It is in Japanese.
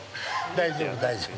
◆大丈夫、大丈夫。